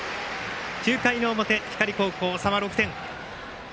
９回の表、光高校、差は６点。